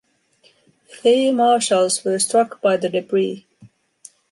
Three marshals were struck by the debris.